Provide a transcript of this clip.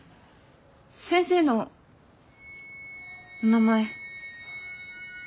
先生のお名前。